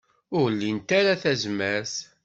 Ur lint ara tazmert.